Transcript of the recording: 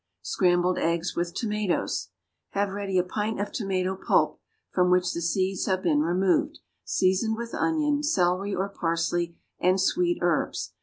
=Scrambled Eggs with Tomatoes.= Have ready a pint of tomato pulp, from which the seeds have been removed, seasoned with onion, celery or parsley, and sweet herbs.